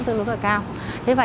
thưa các bạn